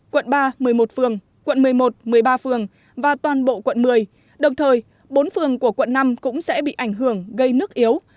quận ba một mươi một phường quận một mươi một một mươi ba phường và toàn bộ quận một mươi đồng thời bốn phường của quận năm cũng sẽ bị ảnh hưởng gây nước yếu